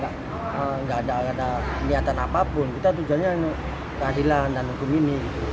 karena kita gak ada niatan apapun kita tujannya keadilan dan hukum ini